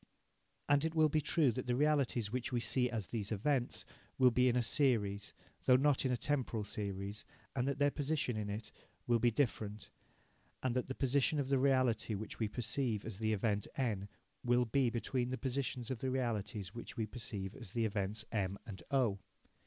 And it will be true that the realities which we see as these events will be in a series, though not in a temporal series, and that their positions in it will be different, and that the position of the reality which we perceive as the event N will be between the positions of the realities which we perceive as the events M and O.